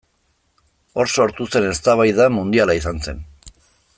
Hor sortu zen eztabaida mundiala izan zen.